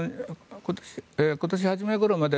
今年初めごろまで